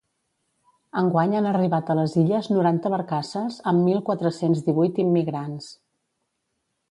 Enguany han arribat a les Illes noranta barcasses amb mil quatre-cents divuit immigrants.